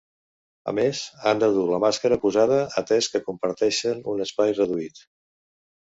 A més, han de dur la màscara posada, atès que comparteixen un espai reduït.